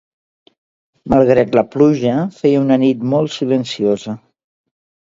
Malgrat la pluja, feia una nit molt silenciosa.